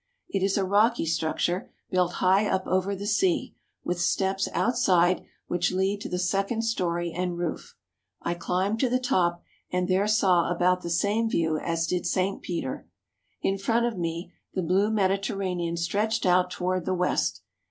It is a rocky structure, built high up over the sea, with steps outside which lead to the second story and roof. I climbed to the top, and there saw about the same view as did St. Peter. In front of me the blue Mediterranean stretched out toward the west.